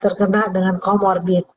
terkena dengan comorbid